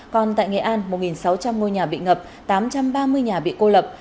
còn tại nghệ an một sáu trăm linh ngôi nhà bị ngập tám trăm ba mươi nhà bị cô lập